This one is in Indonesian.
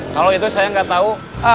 kalau itu saya gak tau